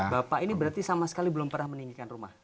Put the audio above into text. bapak ini berarti sama sekali belum pernah meninggikan rumah